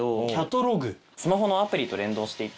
スマホのアプリと連動していて。